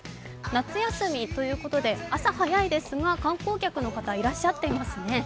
夏休みということで朝早いですが観光客の方、いらっしゃっていますね。